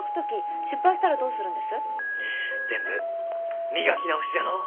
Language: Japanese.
全部磨き直しじゃのう。